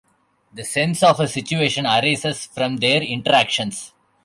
The sense of a situation arises from their interactions.